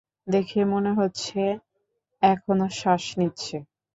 দেখে মনে হচ্ছে এখনও শ্বাস নিচ্ছে।